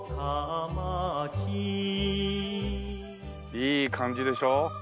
いい感じでしょ？